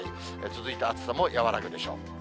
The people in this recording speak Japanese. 続いて暑さも和らぐでしょう。